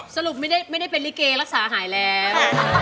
สรุปไม่ได้เป็นลิเกรักษาหายแล้ว